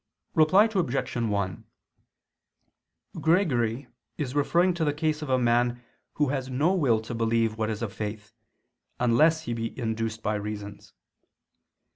Reply Obj. 1: Gregory is referring to the case of a man who has no will to believe what is of faith, unless he be induced by reasons.